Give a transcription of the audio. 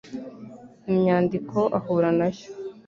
Imyandiko ahura na yo,